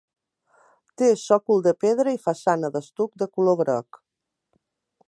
Té sòcol de pedra i façana d'estuc de color groc.